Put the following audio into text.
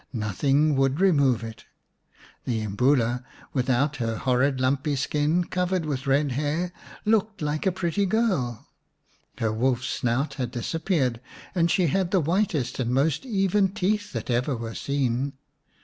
Nothing would remove it. The Imbula, without her horrid lumpy skin covered with red hair, looked like a pretty girl ; her wolf's snout had dis appeared, and she had the whitest and most even teeth that ever were seen.